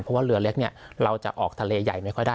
เพราะว่าเรือเล็กเนี่ยเราจะออกทะเลใหญ่ไม่ค่อยได้